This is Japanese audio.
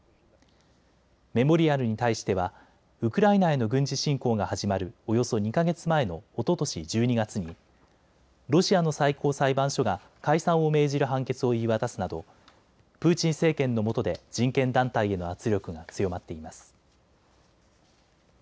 メモリアルに対してはウクライナへの軍事侵攻が始まるおよそ２か月前のおととし１２月にロシアの最高裁判所が解散を命じる判決を言い渡すなどプーチン政権のもとで人権団体への圧力が強まっています。